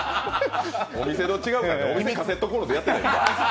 お店と違うから、お店、カセットこんろでやってないから。